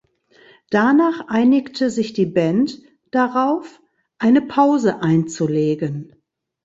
Danach einigte sich die Band darauf, eine Pause einzulegen.